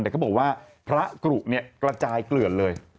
แต่เขาบอกว่าพระกรุกระจายเกลือนเลย